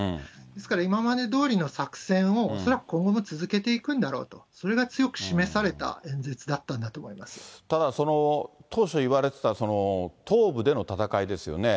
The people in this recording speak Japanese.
ですから今までどおりの作戦を恐らく今後も続けていくんだろうと、それが強く示された演説だったんただ、当初いわれてた東部での戦いですよね。